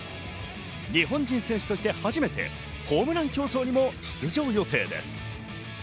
日本人選手として初めてホームラン競争にも出場予定です。